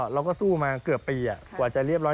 เราก็สู้มาเกือบปีกว่าจะเรียบร้อย